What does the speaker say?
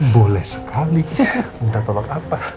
boleh sekali minta tolong apa